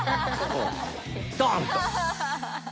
ドンと！